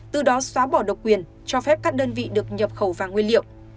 từ đó xóa bỏ độc quyền cho phép các đơn vị được nhập khẩu vàng nguyên liệu